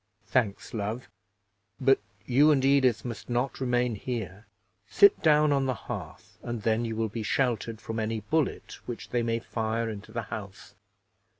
"Thanks, love; but you and Edith must not remain here; sit down on the hearth, and then you will be sheltered from any bullet which they may fire into the house.